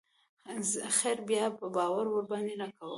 خير بيا به باور ورباندې نه کوم.